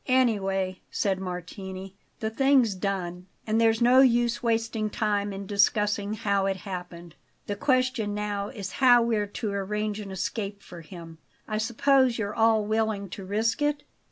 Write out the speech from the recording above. "Anyway," said Martini, "the thing's done, and there's no use wasting time in discussing how it happened. The question now is how we're to arrange an escape for him. I suppose you're all willing to risk it?"